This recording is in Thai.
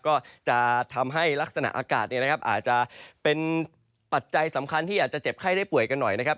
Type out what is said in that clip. ก็จะทำให้ลักษณะอากาศเนี่ยนะครับอาจจะเป็นปัจจัยสำคัญที่อาจจะเจ็บไข้ได้ป่วยกันหน่อยนะครับ